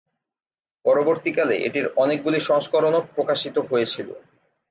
পরবর্তীকালে এটির অনেকগুলি সংস্করণও প্রকাশিত হয়েছিল।